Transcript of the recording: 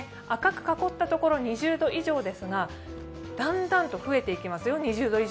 赤く囲ったところは２０度以上ですが、だんだんと増えていきます。